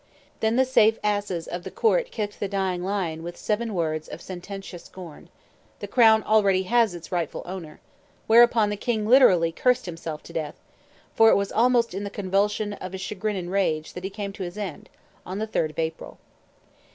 Then the safe asses of the court kicked the dying lion with seven words of sententious scorn, "The crown has already its rightful owner"; whereupon the king literally cursed himself to death, for it was almost in the convulsion, of his chagrin and rage that he came to his end, on the 3d of April.